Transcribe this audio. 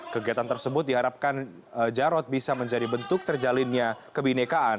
kegiatan tersebut diharapkan jarod bisa menjadi bentuk terjalinnya kebinekaan